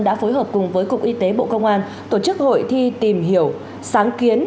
đã phối hợp cùng với cục y tế bộ công an tổ chức hội thi tìm hiểu sáng kiến